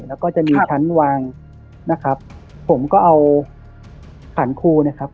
แล้วก็จะมีชั้นวางนะครับผมก็เอาขันครูนะครับ